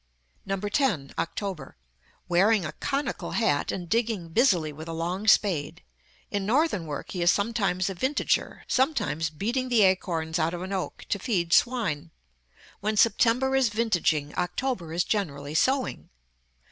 10. OCTOBER. Wearing a conical hat, and digging busily with a long spade. In Northern work he is sometimes a vintager, sometimes beating the acorns out of an oak to feed swine. When September is vintaging, October is generally sowing.